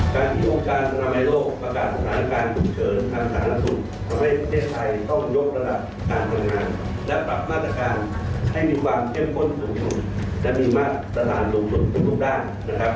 ตอนนี้ประเทศไทยต้องยกระดับการทำงานและปรับมาตรการให้มีความเชื่อมคนส่วนสุดและมีมาตรฐานลงทุนทุกด้าน